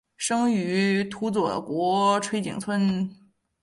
生于土佐国吹井村。